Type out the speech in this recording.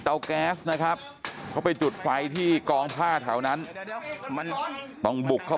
แก๊สนะครับเขาไปจุดไฟที่กองผ้าแถวนั้นมันต้องบุกเข้า